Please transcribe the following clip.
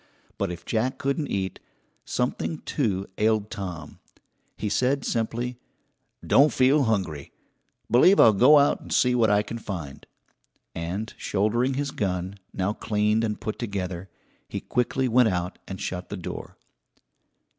But if Jack couldn't eat, something, too, ailed Tom. He said simply: "Don't feel hungry. Believe I'll go out and see what I can find," and shouldering his gun, now cleaned and put together, he quickly went out and shut the door.